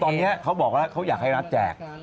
ตอนนี้เขาบอกว่าเขาอยากให้รัฐแจก